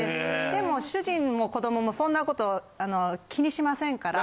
でも主人も子どももそんなこと気にしませんから。